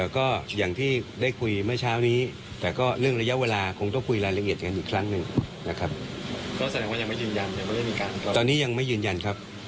ก็อย่างที่ได้คุยเมื่อเช้านี้แต่ก็เรื่องระยะเวลาคงต้องคุยรายละเอียดกันอีกครั้งหนึ่งนะครับ